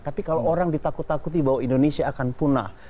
tapi kalau orang ditakut takuti bahwa indonesia akan punah